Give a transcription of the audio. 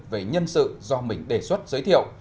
về nhân sự do mình đề xuất giới thiệu